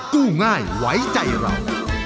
กู้ง่ายไว้ใจเรา